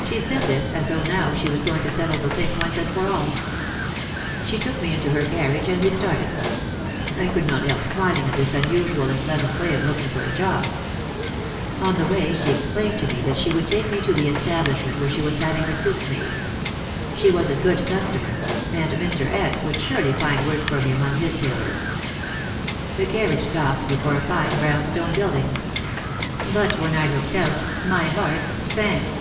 She said this as though now she was going to settle the thing once and for all. She took me into her carriage and we started. I could not help smiling at this unusual and pleasant way of looking for a job. On the way she explained to me that she would take me to the establishment where she was having her suits made. She was a good customer and Mr. S. would surely find work for me among his tailors. The car riage stopped before a fine brown stone building. But when I looked out my heart sank.